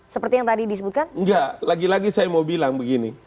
seperti yang tadi disebutkan